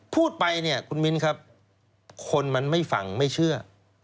พูดไปเนี่ยคุณมิ้นครับคนมันไม่ฟังไม่เชื่อ